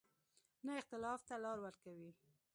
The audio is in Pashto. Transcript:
نه اختلاف ته لار ورکوي.